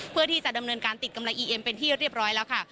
เพื่อที่จะดำเนินการติดกำไรอีเอ็มเป็นที่เรียบร้อยแล้วค่ะ